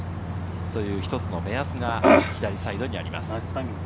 一つの目安が左サイドにあります。